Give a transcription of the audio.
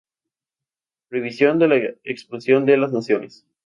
Prohibición de la expulsión de los nacionales".